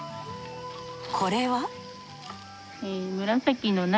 これは？